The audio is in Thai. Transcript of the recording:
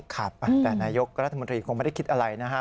ครับแต่นายกรัฐมนตรีคงไม่ได้คิดอะไรนะฮะ